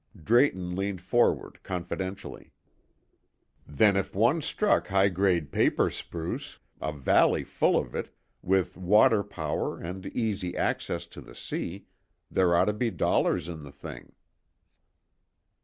Drayton leaned forward confidentially. "Then if one struck high grade paper spruce a valley full of it with water power and easy access to the sea, there ought to be dollars in the thing?"